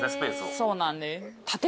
そうなんです。